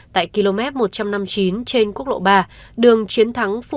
tại km một trăm năm mươi chín trên quốc lộ ba đường chiến thắng phú